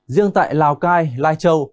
riêng tại lào cai lai châu